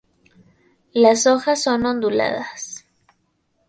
Las hojas son onduladas.